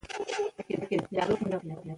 زه د سهار له وخته د کورنۍ لپاره چای جوړوم